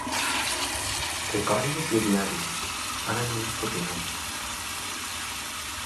De colles de diables, ara n’hi ha un fotimer.